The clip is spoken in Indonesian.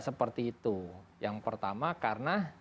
seperti itu yang pertama karena